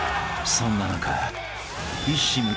［そんな中］